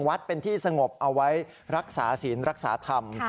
วัดเป็นที่สงบเอาไว้รักษาศีลรักษาธรรม